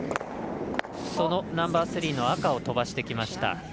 そのナンバースリーの赤を飛ばしてきました。